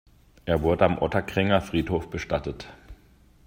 Er wurde am Ottakringer Friedhof bestattet.